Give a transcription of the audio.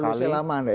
maka dulu selama ya